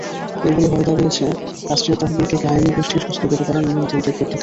এগুলো হয়ে দাঁড়িয়েছে রাষ্ট্রীয় তহবিলকে কায়েমি গোষ্ঠীর হস্তগত করার নিয়মতান্ত্রিক পদ্ধতি।